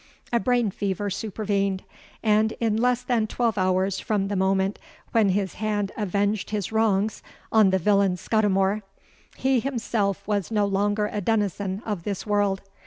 A brain fever supervened; and in less than twelve hours from the moment when his hand avenged his wrongs on the villain Scudimore, he himself was no longer a denizen of this world!